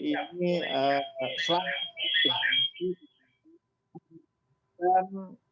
ini selama ini